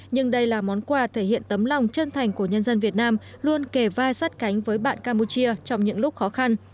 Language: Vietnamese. nhưng đây là món quà thể hiện tấm lòng chân thành của nhân dân việt nam luôn kề vai sát cánh với bạn campuchia trong những lúc khó khăn